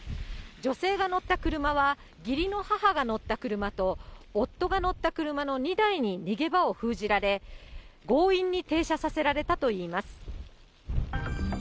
女性が乗った車は、義理の母が乗った車と、夫が乗った車の２台に逃げ場を封じられ、強引に停車させられたといいます。